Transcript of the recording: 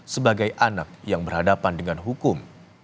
sebagai anak yang berhadapan dengan hukum